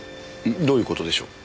どういう事でしょう？